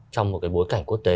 trong một bối cảnh quốc tế